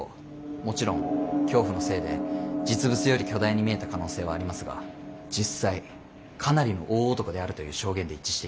もちろん恐怖のせいで実物より巨大に見えた可能性はありますが実際かなりの大男であるという証言で一致しています。